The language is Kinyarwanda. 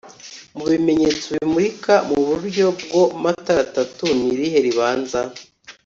mubimenyetso bimurika kuburyo bwo matara atatu nirihe ribanza